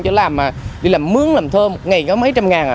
chứ làm đi làm mướn làm thơ ngày có mấy trăm ngàn à